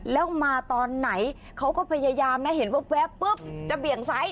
แล้วมาตอนไหนเขาก็พยายามนะเห็นแว๊บปุ๊บจะเบี่ยงซ้าย